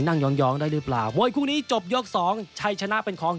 ย้องได้หรือเปล่ามวยคู่นี้จบยกสองชัยชนะเป็นของ